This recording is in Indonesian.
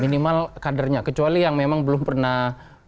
minimal kadernya kecuali yang memang belum pernah